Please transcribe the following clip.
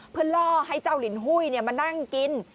เพื่อล่อให้เจ้าลินหุ้ยมานั่งกิน